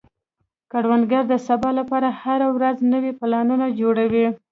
کروندګر د سبا لپاره هره ورځ نوي پلانونه جوړوي